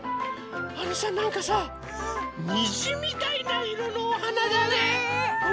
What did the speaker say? あのさなんかさにじみたいないろのおはなだね。ね！